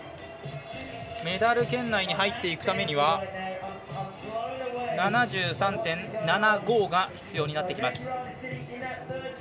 メダル圏内に入っていくためには７３．７５が必要になってきます。